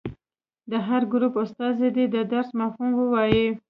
د هر ګروپ استازي دې د درس مفهوم ووايي.